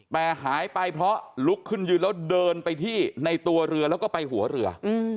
แต่หายไปเพราะลุกขึ้นยืนแล้วเดินไปที่ในตัวเรือแล้วก็ไปหัวเรือ